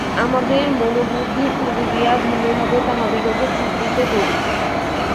আমাদের মনবুদ্ধির তুলি দিয়া ভিন্নভাবে তাহাদিগকে চিত্রিত করি।